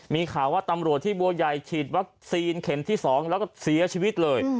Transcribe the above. มีข่าวว่าตำรวจที่บัวใหญ่ฉีดวัคซีนเข็มที่๒แล้วก็เสียชีวิตเลย